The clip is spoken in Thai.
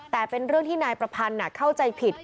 แต่เป็นเรื่องที่นายประพันธ์เข้าใจผิด